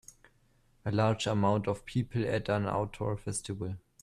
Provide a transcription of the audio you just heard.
A large amount of people at an outdoor festival.